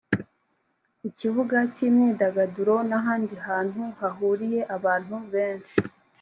ku kibuga cy’imyidagaduro n’ahandi hantu hahuriye abantu benshi